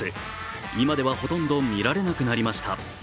今ではほとんど見られなくなりました。